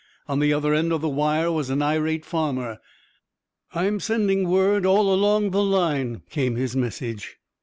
On the other end of the wire was an irate farmer. "I'm sending word all along the line," came his message.